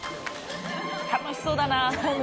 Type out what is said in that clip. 楽しそうだなぁ。